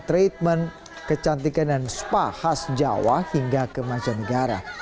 treatment kecantikan dan spa khas jawa hingga ke mancanegara